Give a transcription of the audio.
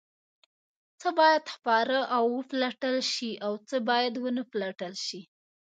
څه باید خپاره او وپلټل شي او څه باید ونه پلټل شي؟